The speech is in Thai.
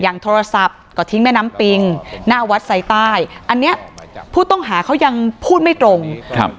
โทรศัพท์ก็ทิ้งแม่น้ำปิงหน้าวัดไซใต้อันเนี้ยผู้ต้องหาเขายังพูดไม่ตรงครับ